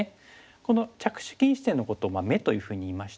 この着手禁止点のことを「眼」というふうにいいまして。